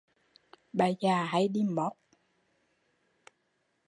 Bà già hay đi mót